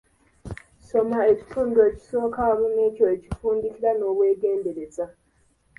Soma ekitundu ekisooka wamu n'ekyo ekifundikira n'obweegendereza.